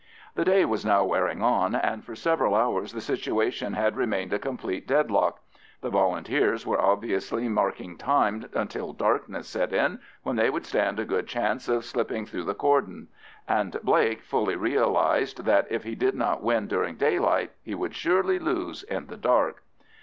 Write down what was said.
The day was now wearing on, and for several hours the situation had remained a complete deadlock. The Volunteers were obviously marking time until darkness set in, when they would stand a good chance of slipping through the cordon; and Blake fully realised that if he did not win during daylight, he would surely lose in the dark.